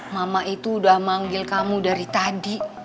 mama itu udah manggil kamu dari tadi